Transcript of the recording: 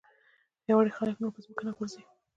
پیاوړي خلک نور په ځمکه نه غورځوي.